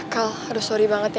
kal aduh sorry banget ya